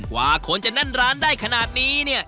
ความคนจะนั้นนร้านได้ขนาดนี้